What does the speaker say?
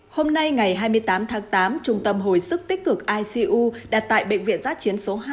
hôm nay ngày hai mươi tám tháng tám trung tâm hồi sức tích cực icu đặt tại bệnh viện giã chiến số hai